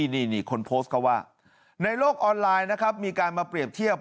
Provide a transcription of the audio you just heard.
นี้คนโพสต์ก็ว่าในโรคออนไลน์มีการมาเปรียบเทียบ